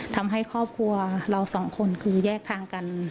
ทำให้ครอบครัวเราสองคนคือแยกทางกัน